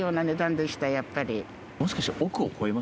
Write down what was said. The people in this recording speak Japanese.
やっぱり。